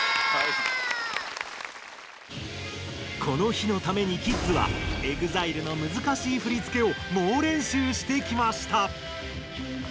この日のためにキッズはＥＸＩＬＥの難しい振付を猛練習してきました。